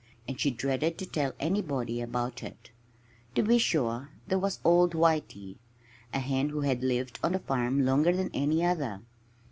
And she dreaded to tell anybody about it. To be sure, there was old Whitey a hen who had lived on the farm longer than any other.